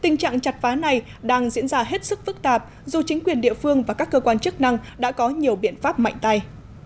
tình trạng chặt phá này đang diễn ra hết sức phức tạp dù chính quyền địa phương và các cơ quan chức năng đã có nhiều biện pháp mạnh tay